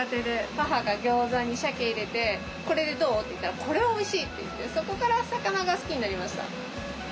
母が餃子にしゃけ入れて「これでどう？」って言ったら「これはおいしい」って言ってそこから魚が好きになりました。